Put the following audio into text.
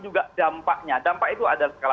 juga dampaknya dampak itu ada skala